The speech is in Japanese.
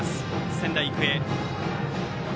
仙台育英。